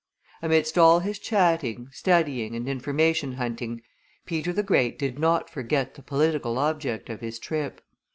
Amidst all his chatting, studying, and information hunting, Peter the Great did not forget the political object of his trip.